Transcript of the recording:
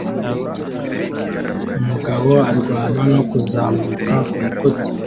Umugabo arwana no kuzamuka kurukuta